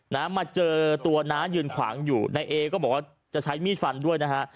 มาเจอตัวน้ายืนขวางอยู่ในเอก็บอกว่าจะใช้มีดฟันด้วยนะฮะ